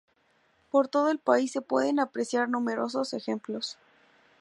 Por todo el país se pueden apreciar numerosos ejemplos.